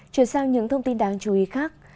chuyển sang những thông tin đáng chú ý khác